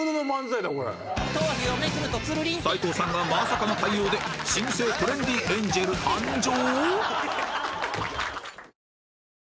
斎藤さんがまさかの対応で新生トレンディエンジェル誕生！？